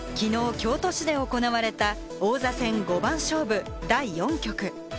京都市で行われた王座戦五番勝負・第４局。